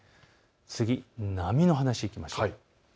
次、波の話をいきましょう。